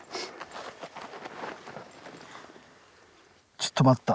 ちょっと待った。